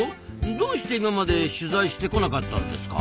どうして今まで取材してこなかったんですか？